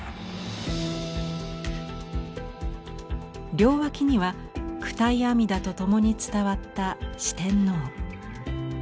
両脇には九体阿弥陀とともに伝わった四天王。